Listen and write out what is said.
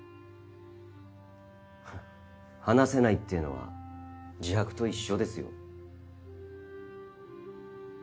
話せないっていうのは自白と一緒ですよ。